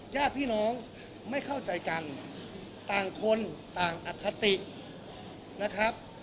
ญาติพี่น้องไม่เข้าใจกันต่างคนต่างอคตินะครับ